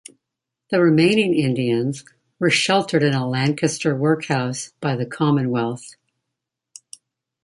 The remaining Indians were sheltered in a Lancaster workhouse by the Commonwealth.